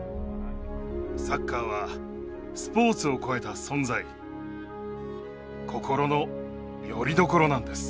サッカーはスポーツを超えた存在心のよりどころなんです。